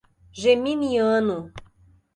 Geminiano